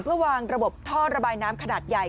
เพื่อวางระบบท่อระบายน้ำขนาดใหญ่